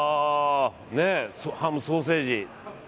ハム、ソーセージ。